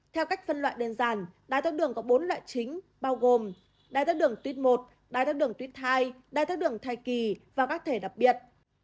theo cách phân loại đơn giản đai thác đường có bốn loại chính bao gồm đai thác đường tuyết một đai thác đường tuyết hai đai thác đường thai kỳ và các thể đặc biệt